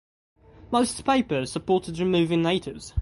Most papers supported removing natives.